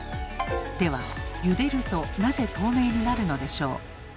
ではゆでるとなぜ透明になるのでしょう。